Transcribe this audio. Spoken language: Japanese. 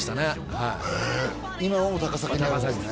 はい今はもう高崎にあるんですね